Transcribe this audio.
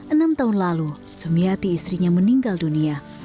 enam tahun lalu sumiati istrinya meninggal dunia